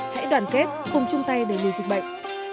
hãy đoàn kết cùng chung tay để lùi dịch bệnh